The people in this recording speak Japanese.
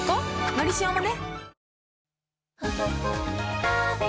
「のりしお」もね